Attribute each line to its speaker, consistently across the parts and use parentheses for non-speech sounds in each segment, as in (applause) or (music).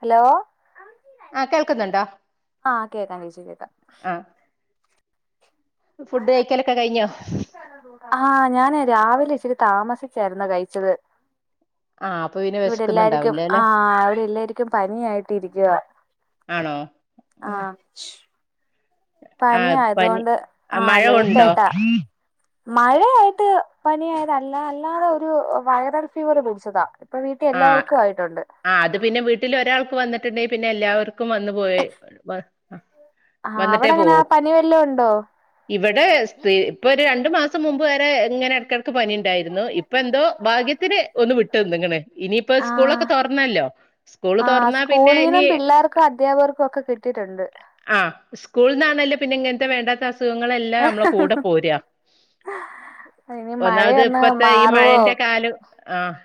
Speaker 1: Hello
Speaker 2: ആഹ് കേൾക്കുന്നുണ്ടോ
Speaker 1: ആഹ് കേക്കാം ചേച്ചി കേക്കാം
Speaker 2: ആഹ് ഫുഡ് കഴിക്കലൊക്കെ കഴിഞ്ഞോ
Speaker 1: ആഹ് ഞാനേ രാവിലെ ഇച്ചിരി താമസിച്ചായിരുന്ന് കഴിച്ചത്
Speaker 2: ആഹ് അപ്പൊ പിന്നെ
Speaker 1: ഇവിടെ എല്ലാരുക്കും
Speaker 2: വിശക്കുന്നുണ്ടാവില്ല
Speaker 1: ആ
Speaker 2: അല്ലെ
Speaker 1: ഇവിടെ എല്ലാരുക്കും പനിയായിട്ട് ഇരിക്കുവാ
Speaker 2: ആണോ ഉം
Speaker 1: അ
Speaker 2: ആ പനി
Speaker 1: പനിയായതോണ്ട് ആ
Speaker 2: മഴ ഉണ്ടോ
Speaker 1: ലേറ്റായിട്ടാ മഴയായിട്ട് പനിയായത് അല്ല അല്ലാതെ ഒരു വൈറൽ ഫീവറ് പിടിച്ചതാ ഇപ്പൊ വീട്ടിൽ എല്ലാർക്കും ആയിട്ടുണ്ട്
Speaker 2: ആഹ് അത് പിന്നെ വീട്ടിൽ ഒരാൾക്ക് വന്നിട്ടുണ്ടെ പിന്നെ എല്ലാവർ ക്കും വന്നു പോയി വ
Speaker 1: ആഹ്
Speaker 2: വന്നിട്ടേ
Speaker 1: അവിടെ എങ്ങനെ
Speaker 2: പോവു
Speaker 1: പനി വല്ലോം ഉണ്ടോ
Speaker 2: ഇവിടെ സ്ത്രീ ഇപ്പൊ ഒരു രണ്ടു മാസം മുമ്പ് വരെ ഇങ്ങനെ ഇടക്ക പനി ഉണ്ടായിരുന്നു ഇപ്പ എന്തോ ഭാഗ്യത്തിന് ഒന്ന് വിട്ടു നിന്നിക്ക് ണ് ഇനിയിപ്പ
Speaker 1: ആഹ്
Speaker 2: സ്കൂളൊക്കെ തൊറന്നല്ലോ സ്കൂള്
Speaker 1: ആഹ്
Speaker 2: തുറന്നാ പിന്നെ ഇനി
Speaker 1: സ്കൂളീന്നും പിള്ളേർക്കും അധ്യാപകർക്കും ഒക്കെ കിട്ടിയിട്ടുണ്ട്
Speaker 2: ആഹ് സ്കൂളില്ന്നാണല്ലോ പിന്നെ ഇങ്ങനത്തെ വേണ്ടാത്ത അസ് അസുഖങ്ങളെല്ലാം നമ്മളെ കൂടെ പോര
Speaker 1: ഇനി
Speaker 2: ഒന്നാമത്
Speaker 1: മഴയൊന്ന്
Speaker 2: ഇപ്പത്തെ ഈ
Speaker 1: മാറുവോ
Speaker 2: മഴന്റെ കാലം ആഹ്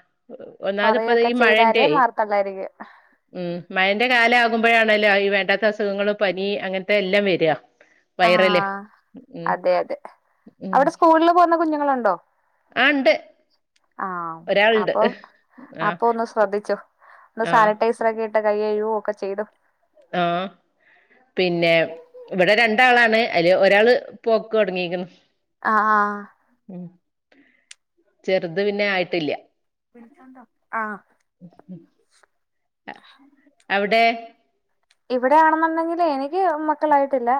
Speaker 2: ഒന്നാമത് ഇപ്പ
Speaker 1: കൊറയൊക്കെ
Speaker 2: ഈ
Speaker 1: ചെയ്താലേ
Speaker 2: മഴന്റെ
Speaker 1: മാറത്തൊള്ളായിരിക്കും
Speaker 2: ഉം മഴന്റെ കാലം ആകുമ്പോഴാണല്ലോ ഈ വേണ്ടാത്ത അസുഖങ്ങളും പനി അങ്ങനത്തെ എല്ലാം വര (inaudible)
Speaker 1: ആഹ് അതെ അതെ അവിടെ സ്കൂളിൽ പോകുന്ന കുഞ്ഞുങ്ങളുണ്ടോ
Speaker 2: ആഹ് ഇണ്ട്
Speaker 1: ആഹ് അപ്പൊ
Speaker 2: ആഹ്
Speaker 1: അപ്പൊ ഒന്ന് ശ്രദ്ധിച്ചോ ഒന്ന്
Speaker 2: ആഹ്
Speaker 1: സാനിറ്റൈസ് ട്ട് കൈ കഴുകോ ഒക്കെ ചെയ്തു
Speaker 2: ആഹ് പിന്നെ ഇവിടെ രണ്ടാളാണ് അയ്ല് ഒരാള് പോക്ക് തുടങ്ങിക്ക്ണ്
Speaker 1: ആഹ് ആഹ്
Speaker 2: ഉം ചെറുത് പിന്നെ ആയിട്ടില്ല
Speaker 1: ആഹ്
Speaker 2: ഉ ഉം അവിടെ
Speaker 1: ഇവിടെയാണെന്നുണ്ടെങ്കില് എനിക്ക് മക്കളായിട്ടില്ല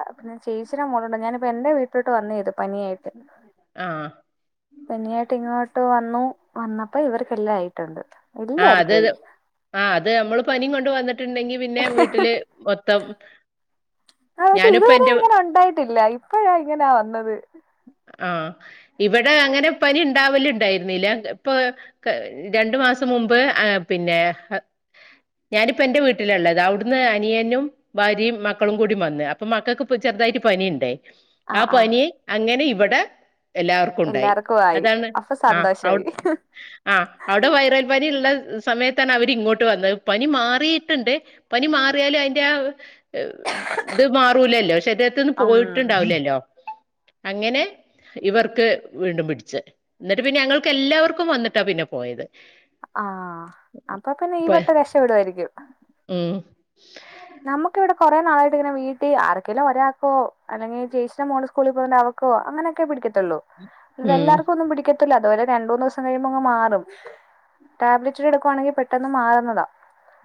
Speaker 1: ചേച്ചി മോളുണ്ട് ഞാനിപ്പോ എന്റെ വീട്ടിലൊട്ട് വന്നായിരുന്നു പനിയായിട്ട്
Speaker 2: ആഹ്
Speaker 1: പനി ആയിട്ട് ഇങ്ങോട്ട് വന്നു വന്നപ്പോ ഇവർക്കെല്ലാം ആയിട്ടുണ്ട്
Speaker 2: ആഹ് അത്‌
Speaker 1: എല്ലാർക്കും ആയി
Speaker 2: ആഹ് അത് നമ്മള് പനിയും കൊണ്ട് വന്നിട്ടുണ്ടെങ്കി പിന്നെ വീട്ടില് മൊത്തം
Speaker 1: ആ പക്ഷെ
Speaker 2: ഞാനിപ്പോ
Speaker 1: ഇതുവരെ
Speaker 2: എന്റെ
Speaker 1: ഇങ്ങനെ ഉണ്ടായിട്ടില്ല ഇപ്പഴാ ഇങ്ങനാ വന്നത്
Speaker 2: ആഹ് ഇവിടെ അങ്ങനെ പനി ഉണ്ടാവൽ ഉണ്ടായിരുന്നില്ല ഇപ്പൊ രണ്ടു മാസം മുമ്പ് ആഹ് പിന്നെ ഞാനിപ്പ എന്റെ വീട്ടിലാള്ളത് അവിടുന്ന് അനിയനും ഭാര്യയും മക്കളും കൂടി വന്ന് അപ്പൊ മക്കൾക്ക് ചെറുതായിട്ട് പനി ഇണ്ടേ
Speaker 1: ആ
Speaker 2: ആഹ്
Speaker 1: ആ
Speaker 2: പനി അങ്ങനെ ഇവടെ എല്ലാവർക്കും ഉണ്ടായി
Speaker 1: എല്ലാർക്കും ആയി
Speaker 2: അതാണ്
Speaker 1: അപ്പൊ സന്തോഷായി
Speaker 2: ആഹ് ആഹ് അവിടെ വൈറൽ പനി ഉള്ള സമയത്താണ് അവരി ഇങ്ങോട്ട് വന്നത് പനി മാറിയിട്ടുണ്ട് പനി മാറിയാലും അയിന്റെ ആ ഇത് മാറൂലല്ലോ ശരീരത്തിന്ന്
Speaker 1: ഉം
Speaker 2: പോയിട്ടുണ്ടാവില്ലല്ലോ അങ്ങനെ ഇവർക്ക് വീണ്ടും പിടിച്ച് എന്നിട്ട് പിന്നെ ഞങ്ങൾക്ക് എല്ലാവർക്കും വന്നിട്ടാ പിന്നെ പോയത്
Speaker 1: ആഹ് അപ്പൊ പിന്നെ ഈ
Speaker 2: ഇപ്പൊ
Speaker 1: വട്ടം രക്ഷപ്പെടുവായിരിക്കും
Speaker 2: ഉം
Speaker 1: നമുക്കിവിടെ കുറെനാളായിട്ട് ഇങ്ങനെ വീട്ടിൽ ആർക്കേലും ഒരാൾക്കോ അല്ലെങ്കിൽ ചേച്ചിടന്റെ മോള് സ്കൂളിൽ പോകുന്നുണ്ട് അവ വക്കോ അങ്ങനെയൊക്കെ പിടിക്കത്തുള്ളൂ
Speaker 2: ഉം
Speaker 1: എല്ലാർക്കൊന്നും പിടിക്ക കത്തില്ല അതുപോലെ രണ്ട് മൂന്ന് ദിവസം കഴിയുമ്പോൾ അങ് മാറും ടാബ്ലെറ്റ് എടുക്കുവാണെങ്കിൽ പെട്ടെന്ന് മാറുന്നതാ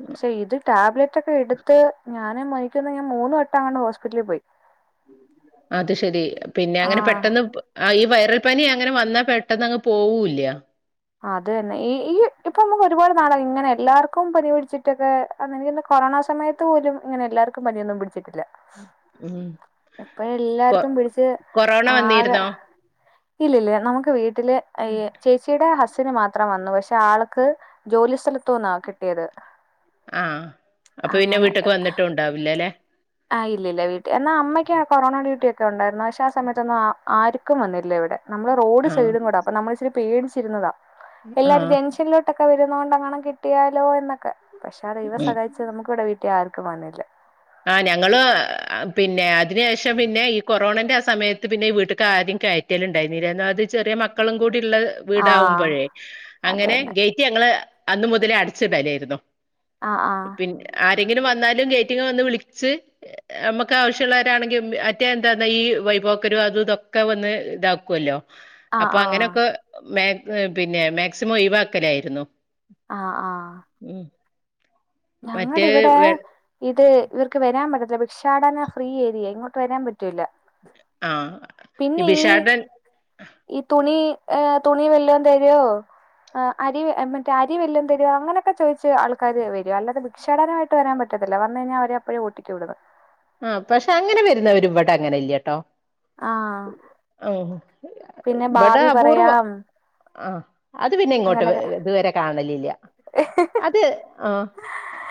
Speaker 1: പക്ഷെ ഇത് ടാബ്ലറ്റ് ഒക്കെ എടു ത്ത് ഞാന് (unintelligible) മൂന്ന് വട്ടം അങ്ങാണ്ട് ഹോസ്പിറ്റലിൽ പോയി
Speaker 2: അത് ശെരി പിന്നെ അങ്ങനെ
Speaker 1: ആഹ്
Speaker 2: പെട്ടെന്ന് പൊ ആ ഈ വൈറൽ പനി അങ്ങനെ വന്നാ പെട്ടെന്നങ്ങ് പോവൂല്ല.
Speaker 1: അത് തന്നെ ഈ ഈ ഇപ്പൊ നമുക്ക് ഒരുപാട് നാളായ് ഇങ്ങനെ എല്ലാർക്കും പനിപടിച്ചിട്ടൊക്കെ അത് എനിക്കിന്ന് കൊറോണ സമയത്ത് പോലും ഇങ്ങനെ എല്ലാർക്കും പനിയൊന്നും പിടിച്ചിട്ടില്ല.
Speaker 2: ഉം.
Speaker 1: ഇപ്പൊ
Speaker 2: കൊ-
Speaker 1: എല്ലാട്ത്തും പിടിച്ച്
Speaker 2: കൊറോണ
Speaker 1: ആകെ
Speaker 2: വന്നിരുന്നോ
Speaker 1: ഇല്ലില്ല നമുക്ക് വീട്ടില് ഈ ചേച്ചീടെ ഹസ് സിന് മാത്രം വന്നു പക്ഷെ ആൾക്ക് ജോലി സ്ഥലത്തൂന്നാ കിട്ടിയത്
Speaker 2: ആഹ് അപ്പൊ പിന്നെ
Speaker 1: അങ്ങനെ
Speaker 2: വീട്ടിക്ക് വന്നിട്ടുംണ്ടാവില്ല ലെ.
Speaker 1: ആഹ് യില്ലില്ല വീട്ടി എന്നാ അമ്മയ്ക്ക് കൊറോണ ഡ്യൂട്ടി ഒക്കെ ഉണ്ടായിരുന്നു പക്ഷെ ആ സമയത്തൊന്നും ആ ആര്ക്കും വന്നില്ല ഇവിടെ. നമ്മള് റോഡ്
Speaker 2: ആ
Speaker 1: സൈഡും കൂട അപ്പ നമ്മള് ച്ചിരി പേടിച്ചിരുന്നതാ
Speaker 2: ആ
Speaker 1: എല്ലാരും ജംഗ്ഷനിലോട്ട് ട്ടൊക്കെ വരുന്ന കൊണ്ടെങ്ങണം കിട്ടിയാലോ എന്നൊക്കെ. പക്ഷെ അ ദൈവം
Speaker 2: ഉം.
Speaker 1: സഹായിച്ച് നമുക്കിവിടെ വീട്ടില് ആർക്കും വന്നില്ല.
Speaker 2: ആഹ് ഞങ്ങളു പിന്നെ അതിന് ശേഷം പിന്നെ ഈ കൊ കൊറോണന്റെ ആഹ് സമയത്ത് പിന്നെ ഈ വീട്ടക്ക് ആരീം കയറ്റലിണ്ടായിന്നില്ല ഒന്നാമത് ഇ ചെറിയ മക്കളും കൂടി ള്ള
Speaker 1: ആഹ്
Speaker 2: വീടാവുമ്പോഴേ അങ്ങനെ
Speaker 1: അതന്നെ
Speaker 2: ഗേറ്റ് ഞങ്ങള് അന്ന് മുതലേ അടച്ചിടലായിരുന്നു.
Speaker 1: ആഹ് ആഹ്
Speaker 2: പിന്നെ ആരെങ്കിലും വന്നാലും ഗേറ്റിങ്ങെ വന്ന് വിളിച്ച് നമ്മക്ക് ആവശ്യള്ളോരാണെങ്കി മറ്റേ എന്താന്നാ ഈ വൈപോക്കരും അതൂതൊക്കെ വന്ന് താക്കൊല്ലോ.
Speaker 1: ആഹ്
Speaker 2: അപ്പൊ
Speaker 1: ആഹ്
Speaker 2: അങ്ങനൊക്കെ മാക് പിന്നെ മാക്സിമം ഒയിവാക്കലായിരുന്നു.
Speaker 1: ആഹ് അ
Speaker 2: ം
Speaker 1: ഞങ്ങടിവിടെ ഇത് ഇവർക്ക് വരാൻ പറ്റത്തില്ല ഭിക്ഷാടന ഫ്രീ ഏരിയെ ഇങ്ങോട്ട് വരാൻ പറ്റൂല.
Speaker 2: ആ
Speaker 1: പിന്നെ ഈ ഈ തുണി ഏഹ് തുണി വല്ലോം തരോ? അരി മറ്റേ അരി വല്ലോം തരോ അങ്ങനൊക്കെ ചോയിച്ച് ആൾക്കാര് വരും. അല്ലാതെ ഭിക്ഷാടനായിട്ട് വരാൻ പറ്റത്തില്ല വന്ന്ഴിഞ്ഞാ അവരെപ്പഴേ ഓട്ടിച്ച്വിടുന്ന്.
Speaker 2: ആഹ് പക്ഷെ അങ്ങനെ വരുന്നവര് ഇവിടെ അങ്ങനെ ഇല്ല്യട്ടോ.
Speaker 1: ആഹ്
Speaker 2: ആഹ്
Speaker 1: പിന്നെ
Speaker 2: ബടെ
Speaker 1: ഭാവി
Speaker 2: അപൂർവം.
Speaker 1: പറയാം
Speaker 2: ആഹ് അത് പിന്നെ ഇങ്ങോട്ട്
Speaker 1: അങ്ങനെ
Speaker 2: ഇതുവരെ കാണലില്ല. അത് ആഹ്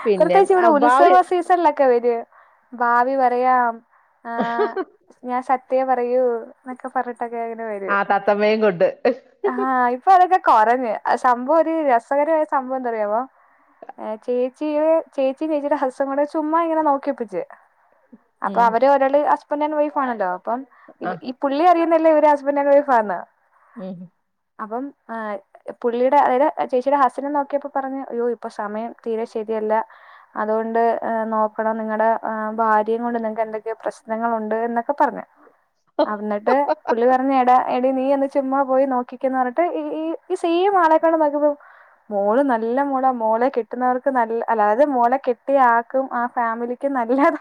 Speaker 2: പിന്നെ
Speaker 1: പ്രത്യേകിച്ച്
Speaker 2: അ
Speaker 1: ഇവിടെ
Speaker 2: ഭാവി
Speaker 1: ഉത്സവ സീസണിലൊക്കെ വരും ഭാവി പറയാം. ആഹ് ഞാൻ സത്യേ പറയൂ ന്നൊക്കെ പറഞ്ഞിട്ടൊക്കെങ്ങനെ വരൂ.
Speaker 2: ആ തത്തമ്മയും കൊണ്ട്
Speaker 1: ആഹ് ഇപ്പൊ അതൊക്കെ കൊറഞ് സംഭവം ഒരു രസകരായ സംഭവം എന്താന്നറിയോ? ഏഹ് ചേച്ചിടേ ചേച്ചിം ചേച്ചിടെ ഹസ്സും കൂടെ ചുമ്മാ ഇങ്ങനെ നോക്കിപ്പിച്ച്. അപ്പൊ
Speaker 2: ഉം
Speaker 1: അവര് ഒരാള് ഹസ്ബൻഡ് ആൻഡ് വൈഫാണല്ലോ അപ്പം ഇവ
Speaker 2: ആ
Speaker 1: ഇ പുള്ളി അറിയുന്നില്ല ഇവര് ഹസ്ബൻഡ് ആൻഡ് വൈഫാന്ന്.
Speaker 2: ം
Speaker 1: അപ്പം ആഹ് പുള്ളീടെ അതായത് ചേച്ചിടെ ഹസ്സിനെ നോക്കി യപ്പോ പറഞ്ഞു അയ്യോ ഇപ്പൊ സമയം തീരെ ശരിയല്ല അതുകൊണ്ട് നോക്കണം നിങ്ങടെ ആഹ് ഭാര്യേം കൊണ്ട് നിങ്ങക്ക് എന്തൊക്കെയൊ പ്രശ്നങ്ങളുണ്ട് എന്നൊക്കെ പറഞ്ഞു. അന്നിട്ട് പുള്ളി പറഞ്ഞ് എടാ എടീ നീ ഒന്ന് ചുമ്മാ പോയി നോക്കി ന്ന് റഞ്ഞിട്ട് ഈ ഈ സെയിം ആളെക്കൊണ്ട് നോക്കിപ്പോ മോള് നല്ല മോള മോളെ കെട്ടുന്നവർക്ക് നല്ല അതായത് മോളെ കെട്ടിയ ആക്കും ആ ഫാമിലിക്കും നല്ലത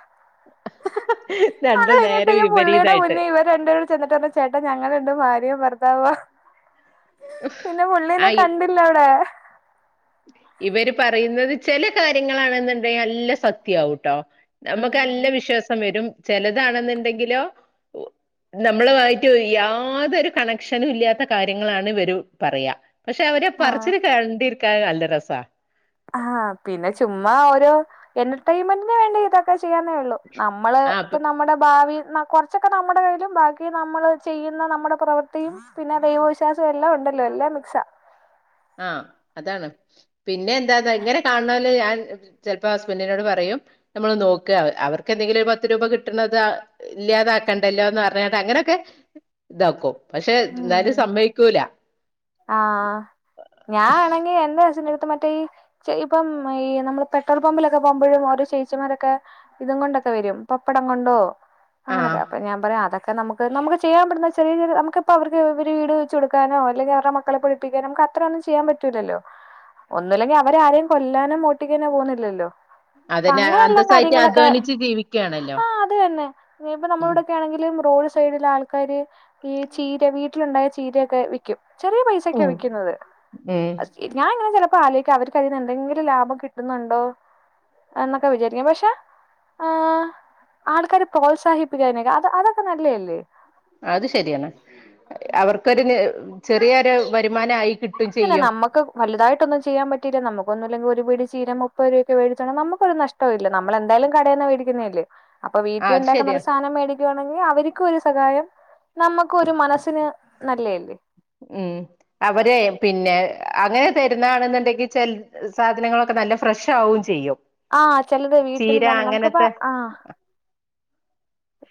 Speaker 1: അത്
Speaker 2: രണ്ടും
Speaker 1: കഴിഞ്ഞിട്ട്
Speaker 2: നേരെ
Speaker 1: ഈ പുള്ളീടെ
Speaker 2: വിപരീതായിട്ട്
Speaker 1: മുന്നീ ഇവര് രണ്ട്പേരും ചെന്നിട്ട് പറഞ്ഞ് ചേട്ടാ ഞങ്ങള് രണ്ടും ഭാര്യേം ഭർത്താവാ പിന്നെ
Speaker 2: ആ
Speaker 1: പുള്ളീനെ
Speaker 2: ഇ
Speaker 1: കണ്ടില്ലവിടെ.
Speaker 2: ഇവര് പറയുന്നത് ചെല കാര്യങ്ങളാണെന്നുണ്ടെങ്കി നല്ല സത്യയാവുട്ടോ. നമ്മക്ക്
Speaker 1: ഉം
Speaker 2: നല്ല വിശ്വാസം വരും ചെലതാണെന്നുണ്ടെങ്കിലോ നമ്മള്വളായിട്ട് യാതൊരു കണക്ഷനൂല്ലാത്ത കാര്യങ്ങളാണ് ഇവര് പറയാ. പക്ഷെ അവരെ
Speaker 1: ആഹ്
Speaker 2: പറച്ചില് കണ്ടിരിക്കാൻ നല്ല രസാ.
Speaker 1: ആഹ് പിന്നെ ചുമ്മാ ഓരോ എന്റർടൈൻമെന്റിന് വേണ്ടി ഇതൊക്കെ ചെയ്യാന്നെ ഒള്ളു നമ്മള്
Speaker 2: ആ
Speaker 1: പ്പ നമ്മടെ ഭാവി ന കൊറച്ചൊക്കെ നമ്മടെ കയ്യിലും ബാക്കി നമ്മള് ചെയ്യുന്ന നമ്മടെ പ്രവൃത്തിയും പിന്നെ ദൈവവിശ്വസോം എല്ലാം ഉണ്ടല്ലോ എല്ലാം മിക്സ
Speaker 2: ആഹ് അതാണ് പിന്നെ എന്താന്നോ ഇങ്ങനെ കാണ്ണോല് ഞാൻ ചിൽപ്പോ ഹസ്ബൻഡിനോട് പറയും നമ്മള് നോക്ക അവർക്ക്‌ എന്തെങ്കിലും ഒരു പത്ത് രൂപ കിട്ടണത് ഇല്ല്യാതാക്കണ്ടല്ലോന്ന് പർഞ്ങാണ്ട് അങ്ങനൊക്കെ ഇതാക്കും പഷെ ഇന്നാലും
Speaker 1: ഉം
Speaker 2: സമ്മെയ്ക്കൂല
Speaker 1: ആഹ് ഞാ ആണെങ്കി എന്റെ അച്ഛന്റടുത്ത് മറ്റേ ഈ ഇപ്പം ഈ നമ്മള് പെട്രോൾ പമ്പിലൊക്കെ പോമ്പഴും ഓരോ ചേച്ചിമാരൊക്കെ ഇതും കൊണ്ടൊക്കെ വെരും പപ്പടം കൊണ്ടോ അങ്ങെനൊക്കെ
Speaker 2: ആഹ്
Speaker 1: അപ്പ ഞാൻ പറയ് അതക്കെ നമു നമുക്ക് ചെയ്യാൻ പറ്റുന്ന ചെറിയ ചെറിയ നമുക്കിപ്പോ അവർക്ക് ഒരു വീട് വെച്ച് കൊടുക്കാനോ അല്ലെങ്കിൽ ത്ര മക്കളെ പഠിപ്പിക്കാനും നമുക്ക്‌ അത്ര ഒന്നും ചെയ്യാൻ പറ്റൂലല്ലോ ഒന്നുല്ലെങ്കി അവരാരെം കൊല്ലാനും മോടിക്കാനോ പോന്നില്ലല്ലോ
Speaker 2: അതന്നെ
Speaker 1: പങ്ങെനൊള്ള
Speaker 2: അന്തസ്സായിട്ട്
Speaker 1: കാര്യങ്ങളൊക്കെ
Speaker 2: അധ്വാനിച്ച് ജീവിക്കുകയാണല്ലോ
Speaker 1: ആഹ് അത് തന്നെ ഇനീപ്പ
Speaker 2: ഉം
Speaker 1: നമ്മളിവ്ടെ ഒക്കെ ആണെങ്കിലും റോഡ് സൈഡിൽ ആൾക്കാര് ഈ ചീര വീട്ടിലുണ്ടായ ചീരൊക്കെ വിക്കും ചെറിയ പൈസക്കാണ്
Speaker 2: ഉം
Speaker 1: വിക്കുന്നത്
Speaker 2: ഉം
Speaker 1: ഞാൻ ഇങ്ങനെ ചിലപ്പോ ആലോചിക്കും അവർക്ക് അതിൽ നിന്ന് എന്തെങ്കിലും ലാഭം കിട്ടുന്നുണ്ടോ എന്നൊക്കെ വിചാര്ക്കും പഷെ ആഹ് ആൾക്കാര് പ്രോത്സാഹിപ്പിക്ക് അയ്നെക്കെ അത് അതൊക്കെ നല്ലേ അല്ലേ
Speaker 2: അത് ശരിയാണ് അവർക്കൊരു ന് ചെറിയൊരു വരുമാന ആയി കി
Speaker 1: ഇന്നെ നമ്മക്ക് വലുതായിട്ട് ഒന്നും ചെയ്യാൻ പറ്റില്ല നമുക്കുന്നും ഇല്ലെങ്കിൽ ഒരു പിടി ചീര മുപ്പത് രൂപക്ക്‌ മേടിച്ചാലും നമൊക്കൊരു നഷ് ഇല്ല നമ്മള് എന്തായ്ലും കടേന്ന് മേടിക്കുന്നേല്ലേ അപ്പൊ
Speaker 2: ആഹ് അത്
Speaker 1: വീട്ടിയൊണ്ടാക്കാൻ
Speaker 2: ശരിയാ
Speaker 1: ഒരു സാനം മേടി ണെങ്കിൽ അവര്ക്കു ഒരു സഹായം നമ്മക്കു ഒരു മനസ്സിന് നല്ലേല്ലേ
Speaker 2: ഉം അവരെ പിന്നെ അങ്ങനെ തര്ന്നാണിന്നിണ്ടെങ്കി ചെൽ സാധനങ്ങൾ ഒക്കെ നല്ല ഫ്രഷ് ആവും ചെയ്യും
Speaker 1: ആഹ് ചെൽത് വീട്ടിൽ
Speaker 2: ചീര
Speaker 1: തന്നെ നമുക്കിപ്പ
Speaker 2: അങ്ങനത്തെ
Speaker 1: ആഹ്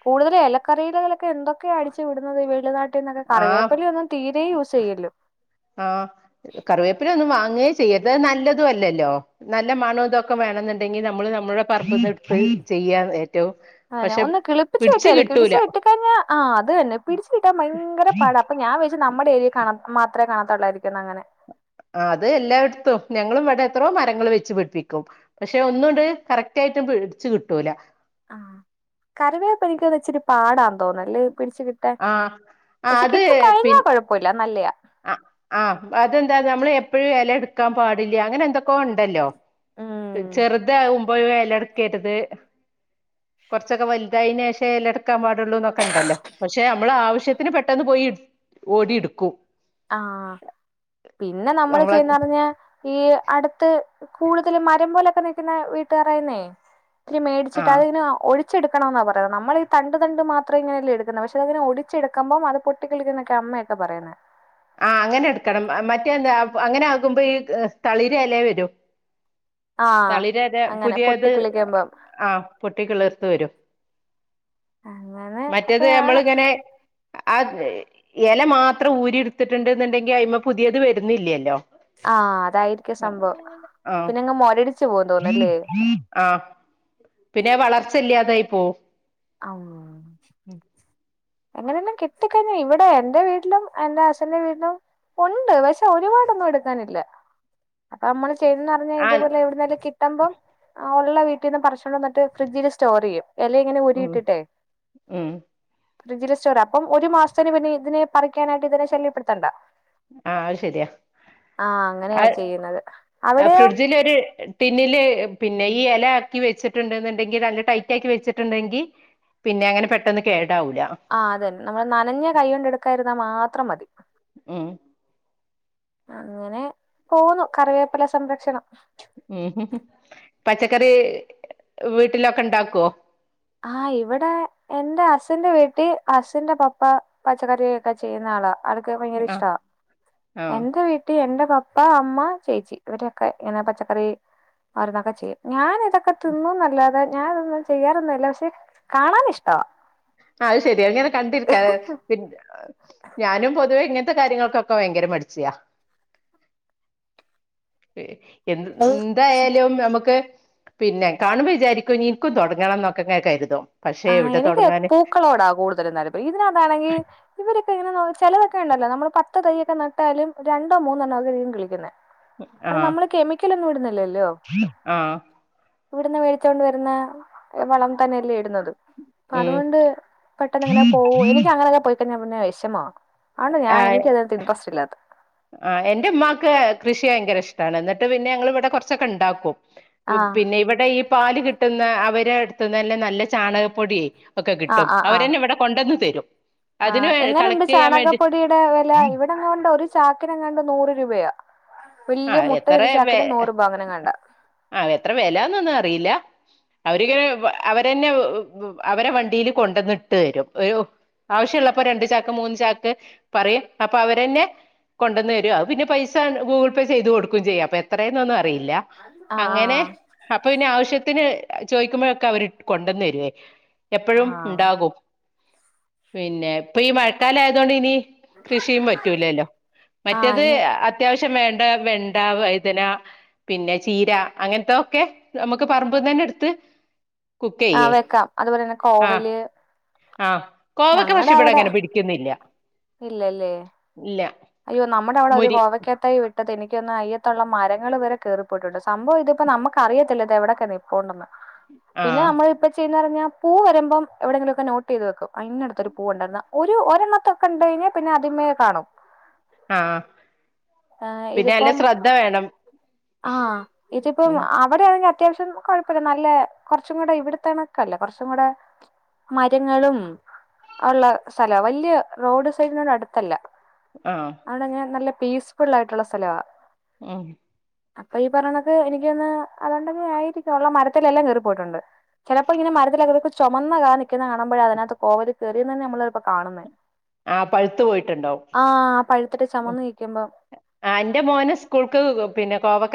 Speaker 1: കൂടുതൽ എലക്കറീലകലക്കെ എന്തൊക്കെയ അടിച്ചു വിടുന്നത് ഈ വെളിനാട്ടീന്നൊക്കെ
Speaker 2: ആഹ്
Speaker 1: കറിവേപ്പില ഒന്നും തീരെ യൂസെയ്യെല്ല്
Speaker 2: ആഹ് കറിവേപ്പിലൊന്നും വാങ്ങേ ചെയ്യര്ത് അ നല്ലതും അല്ലല്ലോ നല്ല മണോ ഇതൊക്കെ വേണെന്നിണ്ടെങ്കിൽ നമ്മള് നമ്മുടെ പറമ്പിന്ന് ഇട്ത്ത് ചെയ്യാൻ ഏറ്റോം
Speaker 1: അതെന്നെ ഒന്ന് കിളിപ്പിച്ച് കിട്ട്യതി കിളിച് കിട്ടി കഴ്ഞ്ഞാ ആഹ് അത് തന്നെ പിടിച്ചിട്ടാൻ ഭയ്ങ്കര പാട അപ്പ ഞാൻ വേ നമ്മ്ടെ ഏര്യേകാണ് മാത്രെ കാണത്തൊള്ളായ്ര്ക്കുന്ന് അങ്ങനെ
Speaker 2: ആഹ് അത് എല്ലാട്ത്തും ഞങ്ങളും ഇവിടെ എത്രോ മരങ്ങൾ വെച്ച് പിട്പ്പിക്കും പഷെ ഒന്നുണ്ട് കറക്റ്റ് ആയിട്ട് പിടിച്ചു കിട്ടൂല
Speaker 1: ആഹ് കറിവേപ്പ് എനിക്കോന്ന് ഇച്ചിരി പാടാന്ന് തോന്നല്ലേ പിടിച്ച് കി ട്ടാൻ
Speaker 2: ആഹ്
Speaker 1: പഷെ
Speaker 2: അത്
Speaker 1: കിട്ടി
Speaker 2: പിന്നെ
Speaker 1: കഴിഞ്ഞാ കൊഴപ്പൊല്ല നല്ലെയാ
Speaker 2: ആഹ് ആഹ് അതെന്താ നംള് എപ്പഴും എല എട്ക്കാൻ പാടില്ല്യ അങ്ങനെന്തൊക്കോ ഇണ്ടല്ലോ
Speaker 1: ഉം
Speaker 2: ചെറ്ത് ആവുമ്പോ ഇലട്ക്കര്ത് കൊർച്ചൊക്കെ വൽതായീനേഷേ എലെട്ക്കാൻ പാടുള്ളൂ ന്നൊക്കെണ്ടല്ലോ പഷെ അമ്മളാവശ്യത്തിന് പെട്ടെന്ന് പോയി ഇട് ഓടി ഇട്ക്കും
Speaker 1: ആഹ് പിന്നെ നംള്
Speaker 2: നമ്മളെ
Speaker 1: ചെയ്യ്ന്നർഞ്ഞ ഈ അട്ത്ത് കൂടുതൽ മരം പോലെക്കെ നിക്കിന്ന വീട്ടാരായ്ന്നേ ഒത്തിരി മേടിച്ചിട്ട്
Speaker 2: ആഹ്
Speaker 1: അതിന് ഒഴി ച്ചെട്ക്കണോന്ന പറയ്ന്ന നമ്മൾ ഈ തണ്ട് തണ്ട് മാത്രം ഇങ്ങനെ അല്ലെ എടുക്കുന്നെ പഷെ അങ്ങനെ ഒടിച്ചെടുക്കമ്പം അത് പൊ ട്ടെന്ന് കിളിക്കൂന്നെക്കെ അമ്മെക്കെ പറയുന്നെ
Speaker 2: ആഹ അങ്ങനെ എട്ക്കണം മറ്റേന്താ അങ്ങെനാകുമ്പോ ഈ തളിര് എലേ വെരും
Speaker 1: ആഹ്
Speaker 2: തളിര് എല
Speaker 1: അങ്ങനെ
Speaker 2: പുത്യേത്
Speaker 1: പൊട്ടിക്കിളിക്കുമ്പം
Speaker 2: ആഹ് പൊട്ടിക്കിളിർത്ത് വരും
Speaker 1: അങ്ങനെ
Speaker 2: മറ്റ്ത്
Speaker 1: ഒക്കെയാണ്
Speaker 2: അമ്മളിങ്ങെനെ ആഹ് എല മാത്രം ഊരിട്ത്തിട്ടുണ്ട് ഇന്നിണ്ടെങ്കി അയ്മ്മെ പുത്യേത് വര്ന്നില്ല്യല്ലോ
Speaker 1: ആഹ് അതായിര്ക്കും സംഭവം പിന്നെങ്ങ് മൊരടി
Speaker 2: ആ പിന്നെ വളർച്ച ഇല്ലാതായി പോവും.
Speaker 1: ആഹാ. അങ്ങനെയല്ലാം കിട്ടി കഴിഞ്ഞാ ഇവിടെ എന്റെ വീട്ടിലും എന്റെ ഹസ്സിന്റെ വീട്ടിലും ഒണ്ട് പക്ഷെ ഒരുപാടൊന്നും എടുക്കാനില്ലാ അത് അമ്മള് ചെയ്തൂന്നറിഞ്ഞാ
Speaker 2: ആഹ്
Speaker 1: ഇതുപോലെ എവിടുന്നേലും കിട്ടുമ്പം ആഹ് ഒള്ള വീട്ടീന്ന് പറച്ചോണ്ട് വന്നിട്ട് ഫ്രിഡ്ജില് സ്റ്റോറെയ്യും എല്ലാം ഇങ്ങനെ
Speaker 2: ഉം
Speaker 1: ഊരിയിട്ടിട്ടെ
Speaker 2: ഉം
Speaker 1: ഫ്രിഡ്ജില് സ്റ്റോർ അപ്പം ഒരു മാസത്തിന് പിന്നെ ഇതിനെ പറിക്കാനായിട്ട് ഇതിനെ ശല്യപ്പെടുത്തണ്ടാ
Speaker 2: ആഹ് അത് ശെര്യാ
Speaker 1: അങ്ങനെയാ ചെയ്യുന്നത്
Speaker 2: അത്
Speaker 1: അവിടെയോ
Speaker 2: ഫ്രിഡ്ജിലൊര് ട്ടിന്നില് പിന്നെ ഈ എല എർക്കി വെച്ചിട്ട്ണ്ട്ന്ന്ണ്ടങ്കി നല്ല ടൈറ്റാക്കി വെച്ച്ട്ട്ണ്ടങ്കി പിന്നെ അങ്ങനെ പെട്ടന്ന് കേടാവൂല.
Speaker 1: ആഹ് അതന്നെ നമ്മള് നനഞ്ഞ കൈ കൊണ്ട് എടുക്കാരിന്നാ മാത്രം മതി
Speaker 2: ഉം
Speaker 1: അങ്ങനെ പോന്നു കറിവേപ്പില സംരക്ഷണം
Speaker 2: ഉം. പച്ചക്കറി വീട്ടിലൊക്കെ ണ്ടാക്കോ?
Speaker 1: ആഹ് ഇവടെ എൻ്റെ അച്ഛന്റെ വീട്ടി അസിന്റെ പപ്പ പച്ചക്കറി ഒക്കെ ചെയ്യുന്ന ആളാ ആൾക്ക് ഭയങ്കര
Speaker 2: ആഹ്
Speaker 1: ഇഷ്ട്ടവാ
Speaker 2: ആഹ്
Speaker 1: എന്റെ വീട് (unintelligible) എന്റെ എന്റെ പപ്പ അമ്മ ചേച്ചി ഇവരൊക്കെ ഇങ്ങനെ പച്ചക്കറി ഓരൊന്നൊക്കെ ചെയ്യും ഞാൻ ഇതൊക്കെ തിന്നുംന്നല്ലാതെ ഞാനൊന്നും ചെയ്യാറൊന്നുംല്ല പക്ഷെ കാണൻ ഇഷ്ടവാ
Speaker 2: അത് ശരിയാ ഇങ്ങനെ കണ്ടിരിക്കാ പിൻ ഞാനും പൊതുവേ ഇങ്ങനെത്തെ കാര്യങ്ങൾക്കൊക്കെ ഭയങ്കര മട്ച്ച്യാ എന്തായാലും നമ്മുക്ക് പിന്നെ കാണുമ്പോവിചാരിക്കുംനി ഇൻക്കും തൊടങ്ങണംന്നൊക്കെങ്ങാ കര്തും പക്ഷെ എവ്ടെ തൊടങ്ങാൻ
Speaker 1: ക്കളോടാ കൂട്തലും നരപ്പ്. ഇതിനാത്താങ്കി ഇവ പ്പെ ങ്ങനെന്ന് പറഞ്ഞാ ചെലതൊക്കേണ്ടല്ലോ നമ്മള് പത്ത് തയ്യൊക്കെ ന്നട്ടാലും രണ്ടോ, മൂന്നെണ്ണോ (unintelligible) കിളിക്കുന്നേ കാരണം
Speaker 2: ആഹ്
Speaker 1: നമ്മളെ കെമിക്കലൊന്നും വിടുന്നില്ലല്ലോ
Speaker 2: ആഹ്
Speaker 1: ഇവിട്ന്ന് വേടിച്ചോണ്ട് വരുന്ന വളം തന്നെയല്ലേ ഇടുന്നത്?
Speaker 2: ഉം
Speaker 1: പ്പാതുകൊണ്ട് പെട്ടെന്നങ്ങനെ പോക എനിക്കങ്ങനെയൊക്കെ പോയിക്കഴിഞ്ഞാ പിന്നെ വിഷമാ ആണ്. ഞാ
Speaker 2: ആഹ്
Speaker 1: എനിക്കതിനകത്ത് ഇൻറസ്റ്റ് ഇല്ലാത്ത
Speaker 2: ആഹ് എന്റെ ഉമ്മാക്ക് കൃഷി ഭയങ്കര ഇഷ്ടാണ് എന്നിട്ട് പിന്നെ ഞങ്ങളെ ഇവിടെ കുറച്ചൊക്കെ ഉണ്ടാക്കും
Speaker 1: ആ
Speaker 2: പിന്നെ ഇവടെ ഈ പാല് കിട്ട്ന്ന അവരെട്ത്ത്ന്നെന്നെ നല്ല ചാണകപ്പൊടി ഒക്കെ കിട്ടും. അവരെന്നെ ഇവടെ കൊണ്ടന്ന്തരും.
Speaker 1: ആഹ്. എങ്ങനെണ്ട് ചാണകപ്പൊടിയിടെ വെല? ഇവി (unintelligible) ഒര് ചാക്കിനെങ്ങാണ്ട് നൂറ് രൂപയാ. വല്ല്യ
Speaker 2: ആഹ് എത്ര വെ
Speaker 1: മുട്ടെര്ചാക്ക്ന് നൂറ് പ അങ്ങനെ ങ്ങാണ്ടാ.
Speaker 2: ആഹ്. എത്ര വെലാന്നൊന്നും അറിയില്ല അവരിങ്ങനെ അവരന്നെ വ്‌ വ് അവരെ വണ്ടീല് കൊണ്ടന്ന്ട്ട് തരും. ഒരു ആവശ്യള്ളപ്പൊ രണ്ട് ചാക്കൊ മൂന്ന് ചാക്ക് പറയും. അപ്പൊ അവരെന്നെ കൊണ്ടന്നരോ പിന്നെ പൈസ ഗൂഗ്ൾ പെ ചെയ്ത് കൊടുക്കും ചെയ്യ, അപ്പൊ എത്രേന്നൊന്നും അറിയില്ല.
Speaker 1: ആ ആ
Speaker 2: അങ്ങനെ അപ്പൊ പിന്നെ ആവശ്യത്തിന് ചോയിക്കുമ്പോഴൊക്കെ അവര് കൊണ്ടെന്നെരുവെ.
Speaker 1: ആ
Speaker 2: എപ്പോഴും ണ്ടാകും. പിന്നെ ഇപ്പൊ ഈ മഴക്കാലായതോണ്ടിനി കൃഷിയും പറ്റൂലല്ലോ.
Speaker 1: ആ
Speaker 2: മറ്റേത്
Speaker 1: ഇനി
Speaker 2: അത്യാവശ്യം വേ ണ്ട വെണ്ട, വൈതന പിന്നെ ചീര അങ്ങൻത്തൊക്കെ നമുക്ക് പറമ്പ്ന്നന്നെട്ത്ത്
Speaker 1: ആ
Speaker 2: കുക്കെയ്യേ.
Speaker 1: വെക്കാം അതുപോലെ തന്നെ
Speaker 2: ആഹ്
Speaker 1: കോവല്
Speaker 2: ആഹ് കോവക്ക പക്ഷെ
Speaker 1: ഞങ്ങടെ അവിടെ
Speaker 2: ഇവടെങ്ങനെ പിടി ക്കുന്നില്ല
Speaker 1: ഇല്ലല്ലേ.
Speaker 2: ഇല്ല
Speaker 1: അയ്യോ നമ്മടെ അവടെ ഒര്
Speaker 2: മുരി
Speaker 1: കോവയ്ക്കാ തൈ വെ ത്തെ തനിക്കൊന്ന് അയ്യത്തുള്ളം മരങ്ങൾ വരെ കേറിപ്പോയിട്ടുണ്ട് സംഭവം ഇതിപ്പോ നമുക്ക് അറിയത്തില്ല ദ എവിടൊക്കെ കൊണ്ടന്ന് പിന്നെ
Speaker 2: ആഹ്
Speaker 1: നമ്മള് ഇപ്പ ചെയ്യുന്നർഞ്ഞാ പൂവരുമ്പം എവിടെെങ്കിലൊക്കെ നോട്ട് വെക്കും, അടുത്ത് ഒരു, ഒരു ഒറെന്നൊക്കെക്കണ്ട കഴിഞ്ഞ- പിന്നെ അതിമയെ കാണും.
Speaker 2: ആഹ
Speaker 1: ആ,
Speaker 2: പിന്നെ അല്ല ശ്രദ്ധ വേണം.
Speaker 1: ആഹ ഇതിപ്പം-
Speaker 2: ഉം
Speaker 1: അവവി ആണെങ്കിൽ അത്യാവശ്യം കുഴപ്പമില്ല നല്ല കുറച്ചും കൂടെ, ഇവിടത്തെണൊക്കെല്ലേ കുറച്ചും കൂടെ- മരങ്ങളും ഉള്ള സ്ഥലം വലിയ റോഡ് സൈഡിനോട് അടുത്തല്ല.
Speaker 2: ആഹാ
Speaker 1: അതടെ ഞൻ നല്ല പീസ്ഫുൾ ആയിട്ടുള്ള സ്ഥലമാണ്.
Speaker 2: ആഹ.
Speaker 1: അപ്പൊ ഈ പറഞ്ഞതൊക്ക് എനക്ക്ന്ന് അതൊണ്ടങ്ങെ- ആയിരിക്കും, ഉള്ള മരത്തിലെല്ലാം കേറിപ്പോയിട്ടുണ്ട്. ചിലപ്പോൾ ഇങ്ങനെ മരത്തിൽ അകതെ ചുമന്ന കാ നിൽക്കുന്ന കാണുമ്പോഴ അതിനകത്ത്- കോവൽ കയറിയന്ന്ന്നെ നമ്മള- ഇപ്പോ കാണുന്നുന്നത്.
Speaker 2: ആഹ് പഴുത്തു പോയിട്ടുണ്ടാവും
Speaker 1: ആഹ പഴുതട്ട് ചുമന്നുനിക്കുമ്പോ.
Speaker 2: ആ് എന്റെ മോന സ്കൂൾക്ക് പിന്നെ കോ-